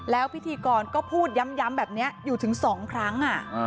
แล้วพิธีกรก็พูดย้ำแบบนี้อยู่ถึง๒ครั้ง